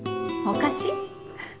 おかしい？